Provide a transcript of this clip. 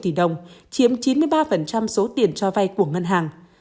tỷ đồng chiếm chín mươi ba số tiền cho vai của ngân hàng